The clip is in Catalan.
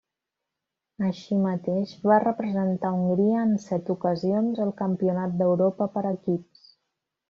Així mateix, va representar Hongria en set ocasions al Campionat d'Europa per equips.